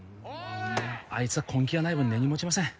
あいつは根気がない分根に持ちません